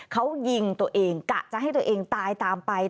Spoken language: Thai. เขายิงตัวเองกะจะให้ตัวเองตายตามไป